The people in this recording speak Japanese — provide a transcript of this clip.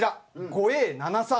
『５Ａ７３』。